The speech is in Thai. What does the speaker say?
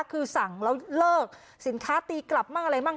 คือสั่งแล้วเลิกสินค้าตีกลับมั่งอะไรมั่ง